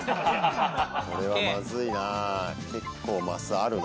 これはまずいな。